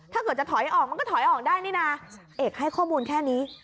ถ้าเกิดจะถอยออกมันก็ถอยออกได้นี่นะเอกให้ข้อมูลแค่นี้